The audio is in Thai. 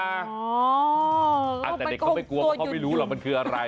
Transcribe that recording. อ๋อมันคงโตยุ่นแต่เด็กเขาไม่กลัวเขาไม่รู้หรอกมันคืออะไร